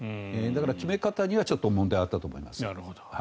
だから、決め方にはちょっと問題があったと思います。